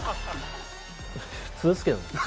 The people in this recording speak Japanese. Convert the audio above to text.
普通っすけどね。